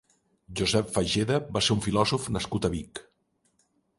Josep Fageda va ser un filòsof nascut a Vic.